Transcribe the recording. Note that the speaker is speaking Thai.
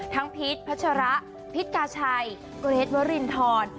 พีชพัชระพิษกาชัยเกรทวรินทร